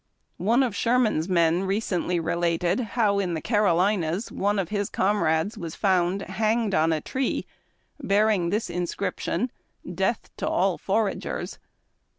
One of Sherman's men recently related how in the Carolinas one of his comrades was found hanged on a tree, bearing this inscription, " Death to all foragers."